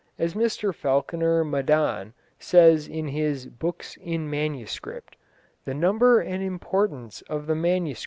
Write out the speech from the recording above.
As Mr Falconer Madan says in his Books in Manuscript, "the number and importance of the MSS.